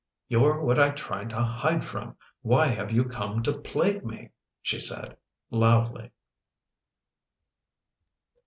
" You're what I tried to hide from; why have you come to plague me? " she said, loudly.